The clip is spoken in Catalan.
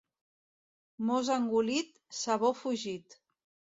Mos engolit, sabor fugit.